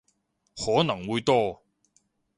可能會多